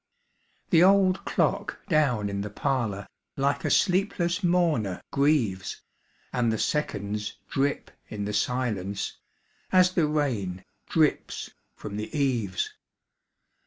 The old clock down in the parlor Like a sleepless mourner grieves, And the seconds drip in the silence As the rain drips from the eaves.